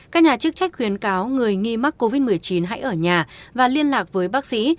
các nhà chức trách khuyến cáo người nghi mắc covid một mươi chín hãy ở nhà và liên lạc với bác sĩ